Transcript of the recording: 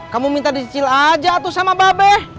kamu minta dicicil aja atu sama bapak